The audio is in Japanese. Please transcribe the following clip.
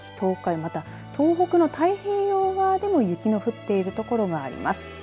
また、東北の太平洋側でも雪の降っている所があります。